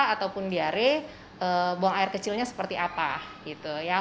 ataupun diare buang air kecilnya seperti apa